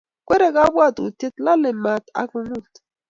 Kwerei kabwatutiet, lolei mat agungut